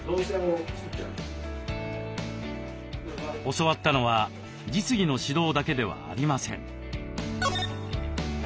教わったのは実技の指導だけではありません。